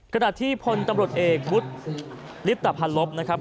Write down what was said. ขณะที่ผลตำรดเอกวุฒิลิฟตภัณฑ์ลบนะครับ